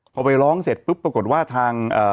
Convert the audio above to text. พอไปร้องเสร็จปุ๊บปรากฏว่าทาง